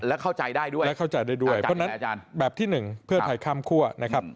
และเข้าใจได้ด้วยเพราะฉะนั้นแบบที่๑เพื่อไทยค่ำคั่วนะครับ